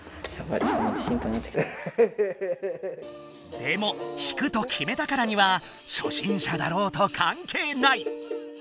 でも弾くと決めたからには初心者だろうとかんけいない！